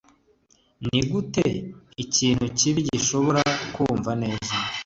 Nigute ikintu kibi gishobora kumva neza?